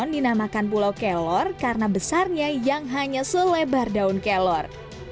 dinamakan pulau kelor karena besarnya yang hanya selebar daun kelor